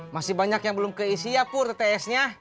masih banyak yang belum keisi ya pur ttsnya